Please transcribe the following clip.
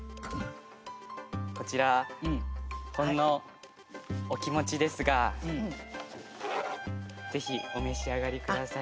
こちらほんのお気持ちですがぜひお召し上がりください。